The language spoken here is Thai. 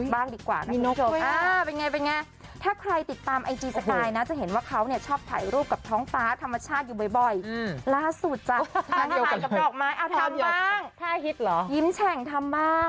บ้างดีกว่านะคุณผู้ชม